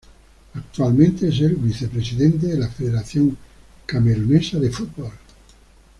Actualmente es el vicepresidente de la Federación Camerunesa de Fútbol.